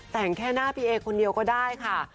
แต่งแค่หน้าพี่เอคนเดียวก็ได้ค่ะ